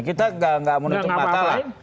kita nggak menutup mata lah